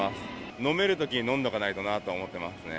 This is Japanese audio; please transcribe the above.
飲めるときに飲んどかないとなとは思ってますね。